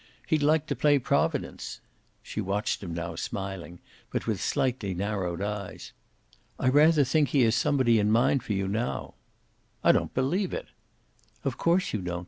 He'd like to play Providence." She watched him, smiling, but with slightly narrowed eyes. "I rather think he has somebody in mind for you now." "I don't believe it." "Of course you don't.